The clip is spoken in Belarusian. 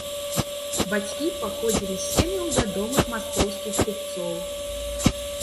Бацькі паходзілі з сем'яў вядомых маскоўскіх купцоў.